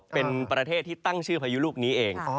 เป็นประเทศที่ตั้งชื่อพายุลูกนี้เอง